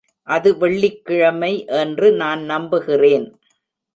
அது வெள்ளிக்கிழமை என்று நான் நம்புகிறேன்.